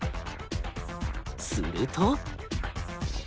すると。